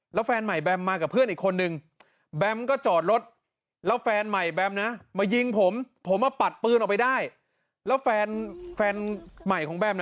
แล้วแฟนแฟนใหม่ของแบม